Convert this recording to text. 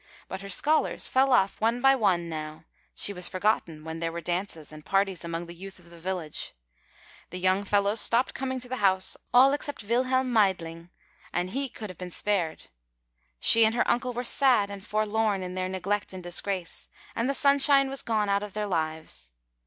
But her scholars fell off one by one now; she was forgotten when there were dances and parties among the youth of the village; the young fellows stopped coming to the house, all except Wilhelm Meidling and he could have been spared; she and her uncle were sad and forlorn in their neglect and disgrace, and the sunshine was gone out of their lives.